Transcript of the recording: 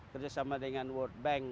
kerjasama dengan world bank